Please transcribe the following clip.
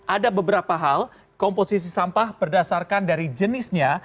ada beberapa hal komposisi sampah berdasarkan dari jenisnya